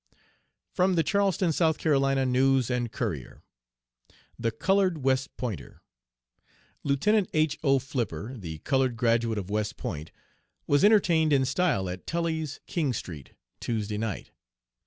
(From the Charleston (S.C.) News and Courier.) THE COLORED WESTPOINTER. Lieutenant H. O. Flipper, the colored graduate of West Point, was entertained in style at Tully's, King Street, Tuesday night.